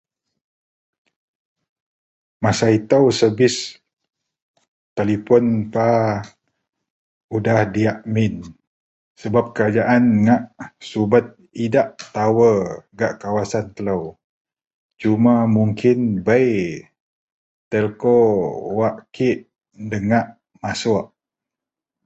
Masa ito sevis telepon paa udah diyak min sebab kerajaan ngak subet idak tawa (tower) gak kawasan telo cuma mungkin bei telco wak kek nda ngak masouk.